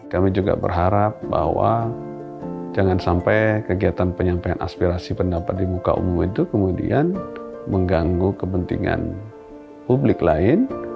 kami juga berharap bahwa jangan sampai kegiatan penyampaian aspirasi pendapat di muka umum itu kemudian mengganggu kepentingan publik lain